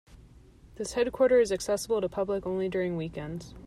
This headquarter is accessible to public only during weekends.